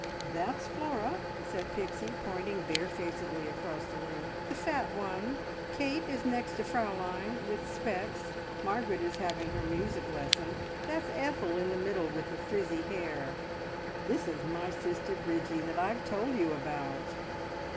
"That's Flora!" said Pixie, pointing barefacedly across the room. "The fat one. Kate is next to Fraulein with specs. Margaret is having her music lesson. That's Ethel in the middle, with the frizzy hair. This is my sister Bridgie that I've told you about."